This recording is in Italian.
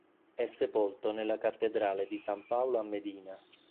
È sepolto nella Cattedrale di San Paolo a Medina.